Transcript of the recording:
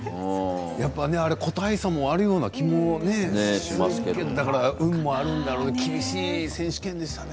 個体差もあるような気もしますけれどだから運もあるんだろうな厳しい選手権でしたね。